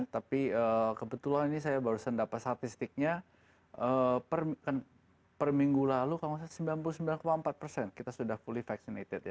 tapi kebetulan ini saya barusan dapat statistiknya per minggu lalu kalau sembilan puluh sembilan empat persen kita sudah fully vaccinated ya